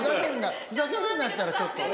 ふざけるんだったらちょっと。